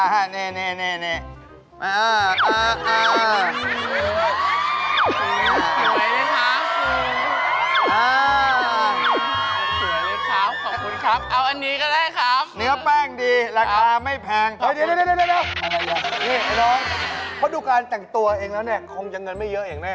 นี่น้องเพราะดูการแต่งตัวเองแล้วเนี่ยคงจะเงินไม่เยอะอย่างแน่